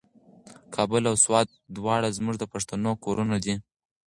کابل او سوات دواړه زموږ د پښتنو کورونه دي.